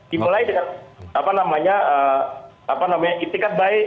dimulai dengan apa namanya apa namanya istikad baik